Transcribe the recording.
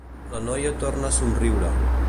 La noia torna a somriure.